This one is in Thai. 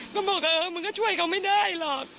ก็บอกเออมึงก็ช่วยเขาไม่ได้หรอก